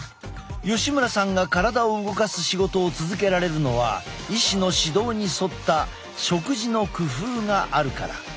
吉村さんが体を動かす仕事を続けられるのは医師の指導に沿った食事の工夫があるから。